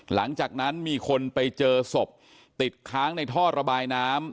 หลังจากนั้นมีคนไปเจอศพติดค้างในท่อระบายน้ำ